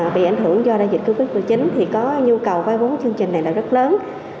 bị ảnh hưởng do đại dịch covid một mươi chín thì có nhu cầu vay vốn chương trình này là rất lớn